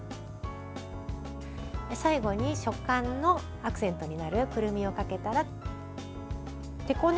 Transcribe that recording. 最後に食感のアクセントになるくるみをかけたら手こね